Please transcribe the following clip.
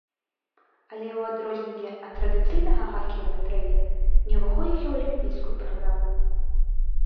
Але ў адрозненні ад традыцыйнага хакея на траве не ўваходзіць у алімпійскую праграму.